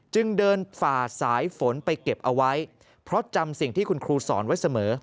จึงเดินฝ่าสายฝนไปเก็บเอาไว้เพราะจำสิ่งที่คุณครูสอนไว้เสมอ